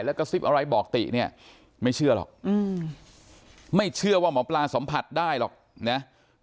แล้วก็ซิบอะไรบอกติเนี่ยไม่เชื่อหรอกไม่เชื่อว่าหมอปลาสัมผัสได้หรอกนะ